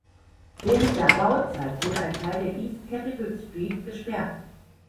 Während der Bauzeit wurde ein Teil der East Capitol Street gesperrt.